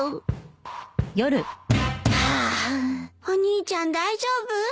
お兄ちゃん大丈夫？